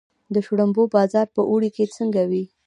د شړومبو بازار په اوړي کې څنګه وي؟